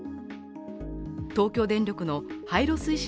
東京電力の廃炉推進